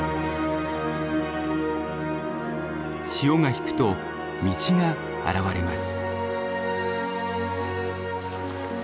潮が引くと道が現れます。